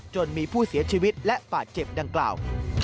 จนมีผู้เสียชีวิตและบาดเจ็บดังกล่าว